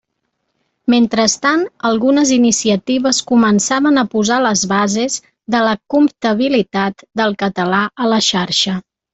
Mentrestant algunes iniciatives començaven a posar les bases de la «comptabilitat» del català a la xarxa.